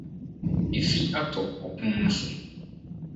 Efi atɔ ɔpon no so.